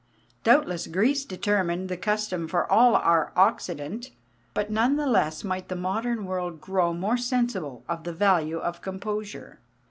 Doubtless Greece determined the custom for all our Occident; but none the less might the modern world grow more sensible of the value of composure.